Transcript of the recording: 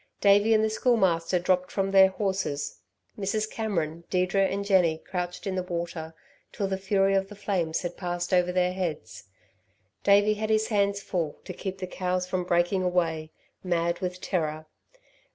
Davey and the Schoolmaster dropped from their horses. Mrs. Cameron, Deirdre and Jenny crouched in the water till the fury of the flames had passed over their heads. Davey had his hands full to keep the cows from breaking away, mad with terror.